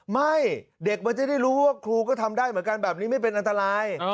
ไม่เด็กมันจะได้รู้ว่าครูก็ทำได้เหมือนกันแบบนี้ไม่เป็นอันตราย